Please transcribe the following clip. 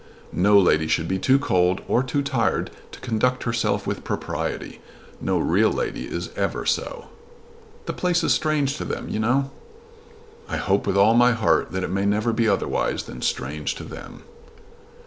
"No lady should be too cold or too tired to conduct herself with propriety. No real lady is ever so." "The place is strange to them, you know." "I hope with all my heart that it may never be otherwise than strange to them."